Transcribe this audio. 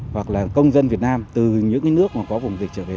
hoặc là công dân việt nam từ những nước có vùng dịch trở về